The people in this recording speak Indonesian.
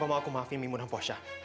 aku maafin mimu dan posya